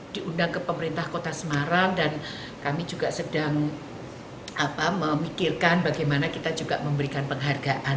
diundang ke pemerintah kota semarang dan kami juga sedang memikirkan bagaimana kita juga memberikan penghargaan